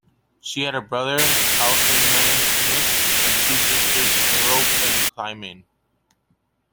She had a brother Althaemenes, and two sisters Aerope and Clymene.